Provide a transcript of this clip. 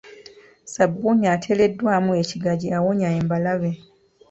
Ssabbuuni ateereddwamu ekigaji awonya embalabe.